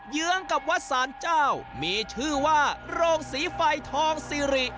เยื้องกับวัดสารเจ้ามีชื่อว่าโรงสีไฟทองซีริ